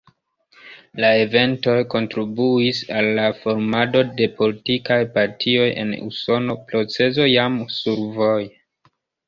La eventoj kontribuis al la formado de politikaj partioj en Usono, procezo jam survoje.